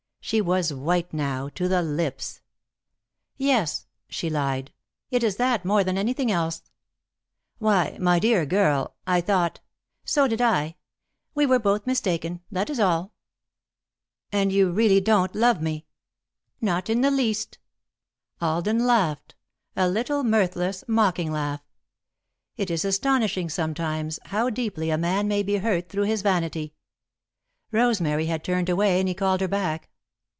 She was white, now, to the lips. "Yes," she lied. "It is that more than anything else." "Why, my dear girl! I thought " "So did I. We were both mistaken, that is all." "And you really don't love me?" "Not in the least." Alden laughed a little mirthless, mocking laugh. It is astonishing, sometimes, how deeply a man may be hurt through his vanity. Rosemary had turned away, and he called her back.